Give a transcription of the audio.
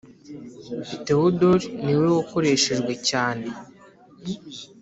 Theodor ni we wakoreshejwe cyane.